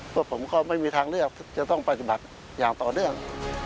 พวกผมก็ไม่มีทางเลือกจะต้องปฏิบัติอย่างต่อเนื่อง